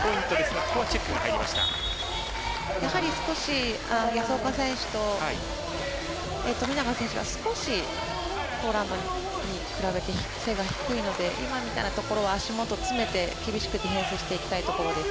少し保岡選手と富永選手が少し、ポーランドに比べて背が低いので今みたいなところは足元詰めて厳しくディフェンスしていきたいところです。